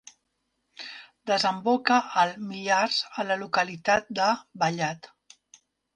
Desemboca al Millars a la localitat de Vallat.